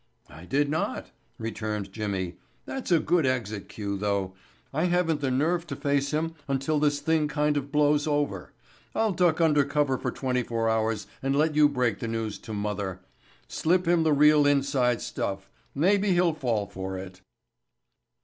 "I did not," returned Jimmy. "That's a good exit cue, though. I haven't the nerve to face him until this thing kind of blows over. I'll duck under cover for twenty four hours and let you break the news to mother. Slip him the real inside stuff. Maybe he'll fall for it."